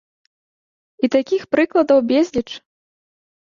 І такіх прыкладаў безліч!